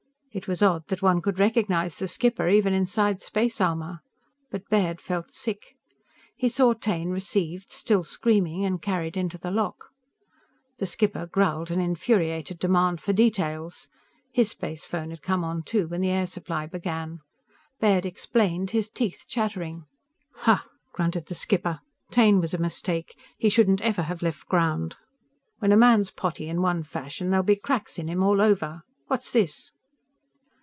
It was odd that one could recognize the skipper even inside space armor. But Baird felt sick. He saw Taine received, still screaming, and carried into the lock. The skipper growled an infuriated demand for details. His space phone had come on, too, when its air supply began. Baird explained, his teeth chattering. "Hah!" grunted the skipper. "_Taine was a mistake. He shouldn't ever have left ground. When a man's potty in one fashion, there'll be cracks in him all over. What's this?